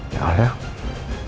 ya allah ya